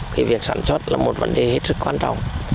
cái việc sản xuất là một vấn đề rất quan trọng